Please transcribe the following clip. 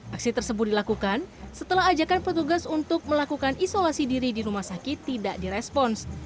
aksi tersebut dilakukan setelah ajakan petugas untuk melakukan isolasi diri di rumah sakit tidak direspons